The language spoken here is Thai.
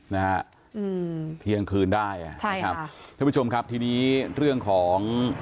นะฮะอืมเที่ยงคืนได้ใช่ค่ะเพื่อนผู้ชมครับทีนี้เรื่องของ